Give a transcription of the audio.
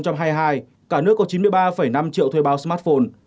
cả nước có chín mươi ba năm triệu thuê bao smartphone